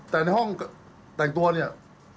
แต่ในห้องแต่งตัวเนี่ย